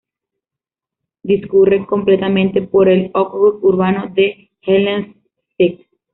Discurre completamente por el ókrug urbano de Gelendzhik.